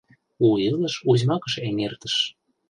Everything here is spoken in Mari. У илыш узьмакыш эҥертыш